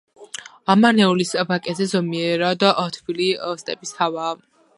მარნეულის ვაკეზე ზომიერად თბილი სტეპის ჰავაა.